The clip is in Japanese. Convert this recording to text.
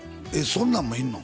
そんなんもいんの？